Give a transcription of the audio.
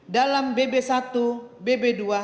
dalam bb satu bb dua